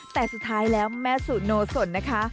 แต่สุดท้ายแล้วแม่สุโนสนนะคะ